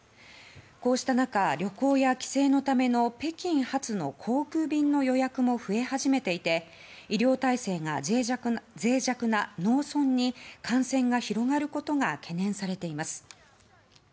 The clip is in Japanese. こうした中旅行や帰省での北京発の航空便の予約も増え始めていて医療体制が脆弱な農村に感染が広がることが懸念されています。